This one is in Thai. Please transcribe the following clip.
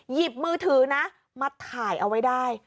หยิบมือถือนะมาถ่ายเอาไว้ได้